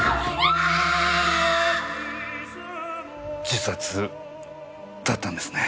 自殺だったんですね。